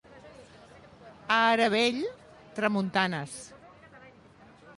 A Aravell, tramuntanes.